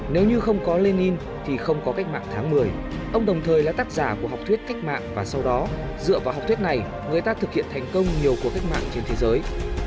nếu như không có lenin thì không có cách mạng tháng một mươi ông đồng thời là tác giả của học thuyết cách mạng và sau đó dựa vào học thuyết này người ta thực hiện thành công nhiều cuộc cách mạng trên thế giới